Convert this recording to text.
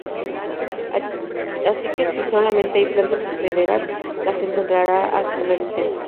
Así que si solamente hay plantas hospederas las encontrará al primer intento.